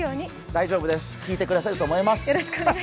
大丈夫です、聞いてくださると思います。